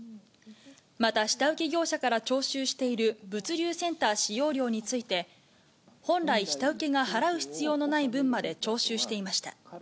また下請け業者から徴収している物流センター使用料について、本来、下請けが払う必要のない分まで徴収していました。